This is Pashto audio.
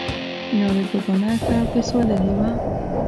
ناوې په ګاڼه ښه پسوللې وه